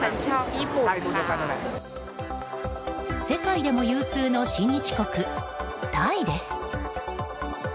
世界でも有数の親日国タイです。